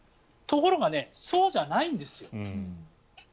ところがそうじゃないんです。